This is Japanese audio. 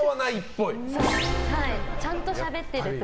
ちゃんとしゃべってるって